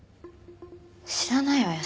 知らないわよ